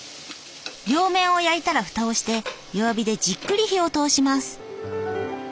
両面を焼いたらふたをして弱火でじっくり火を通します。